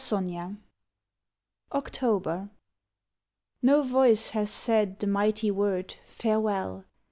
37 OCTOBER No voice hath said the mighty word " Fare well!"